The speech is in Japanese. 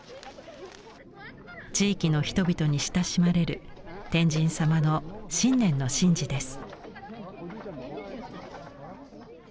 地域の人々に親しまれる天神さまの新年の神事です。